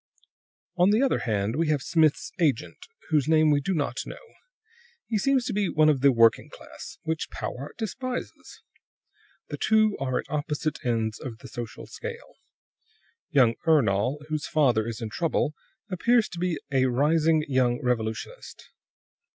"On the other hand, we have Smith's agent, whose name we do not know; he seems to be one of the working class, which Powart despises. The two are at opposite ends of the social scale. Young Ernol, whose father is in trouble, appears to be a rising young revolutionist.